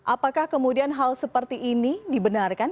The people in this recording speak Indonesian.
apakah kemudian hal seperti ini dibenarkan